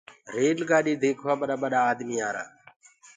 ريل گآڏي ديکوآ ٻڏآ ڀڏآ آدمي آرآ۔